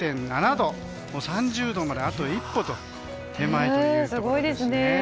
３０度まであと一歩手前というところです。